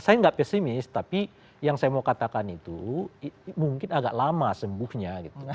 saya nggak pesimis tapi yang saya mau katakan itu mungkin agak lama sembuhnya